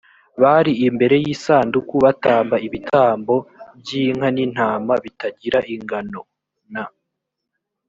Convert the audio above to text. bari imbere y isanduku batamba ibitambo m by inka n intama bitagira ingano n